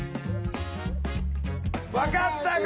分かった方から。